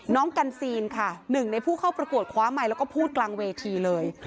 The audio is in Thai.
น้องกันซีนค่ะหนึ่งในผู้เข้าประกวดคว้าไมค์แล้วก็พูดกลางเวทีเลย